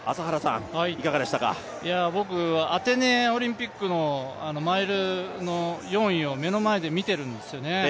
僕、アテネオリンピックのマイルの４位を目の前で見てるんですよね。